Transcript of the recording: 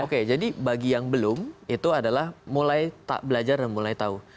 oke jadi bagi yang belum itu adalah mulai tak belajar dan mulai tahu